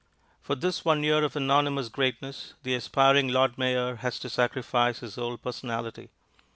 For this one year of anonymous greatness the aspiring Lord Mayor has to sacrifice his whole personality.